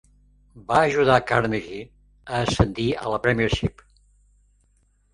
Va ajudar Carnegie a ascendir a la Premiership.